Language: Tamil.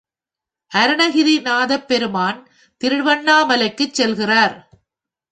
அருணகிரி நாதப் பெருமான் திருவண்ணாமலைக்குச் செல்கிறார்.